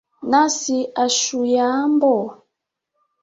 Nasi hachuyaambo?